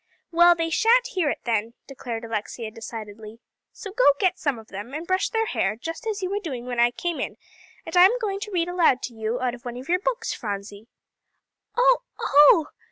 "Well, they sha'n't hear it, then," declared Alexia decidedly, "so get some of them, and brush their hair, just as you were doing when I came in, and I'm going to read aloud to you out of one of your books, Phronsie." "Oh oh!"